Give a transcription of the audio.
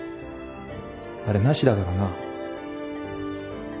あれなしだからな。